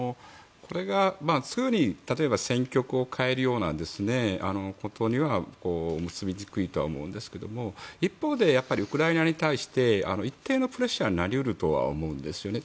例えば、すぐに戦局を変えるようなことには結びにくいとは思うんですが一方で、ウクライナに対して一定のプレッシャーになり得ると思うんですよね。